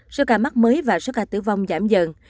số ca mắc mới và số ca tử vong giảm dần